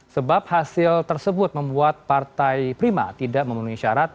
sebab hasil tersebut membuat partai prima tidak memenuhi syarat